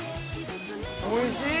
おいしい！